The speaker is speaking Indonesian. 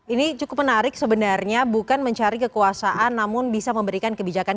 ini cukup menarik sebenarnya bukan mencari kekuasaan namun bisa memberikan kebijakan